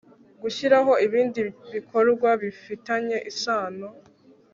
gushyiraho ibindi bikorwa bifitanye isano